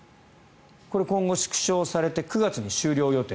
これ、今後縮小されて９月に終了予定。